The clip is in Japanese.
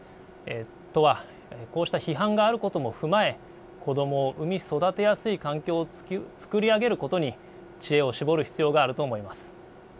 都はこうした批判があることも踏まえ子どもを生み育てやすい環境を作り上げることに知恵を絞る必要があると思います。